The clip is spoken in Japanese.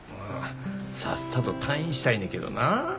さっさと退院したいねけどな。